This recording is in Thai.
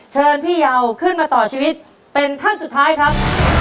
เชิญพี่เยาขึ้นมาต่อชีวิตเป็นท่านสุดท้ายครับ